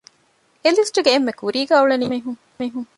އެ ލިސްޓްގެ އެންމެ ކުރީގައި އުޅެނީ އެމެރިކާ މީހުން